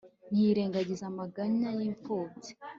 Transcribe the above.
ntiyirengagiza amaganya y'imfubyi